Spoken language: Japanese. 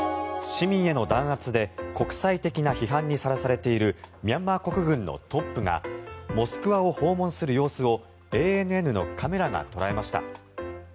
市民への弾圧で国際的な批判にさらされているミャンマー国軍のトップがモスクワを訪問する様子をＡＮＮのカメラが捉えました。